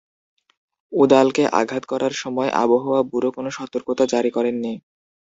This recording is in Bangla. উদালকে আঘাত করার আগে আবহাওয়া ব্যুরো কোন সতর্কতা জারি করেনি।